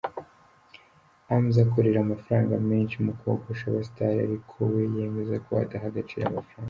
Hamza akorera amafaranga menshi mu kogosha abasitari ariko we yemeza ko adaha agaciro amafaranga.